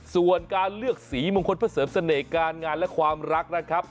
ส่วนการเลือกสีมงคลเพื่อเสริมเสน่ห์การงานและความรักนะครับ